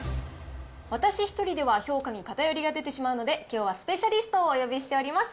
私、一人では評価に偏りが出てしまうので、きょうはスペシャリストをお呼びしています。